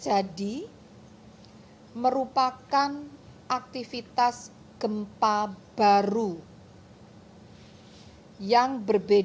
dan tim ini kalinya istilahnya ombaktw matahari ini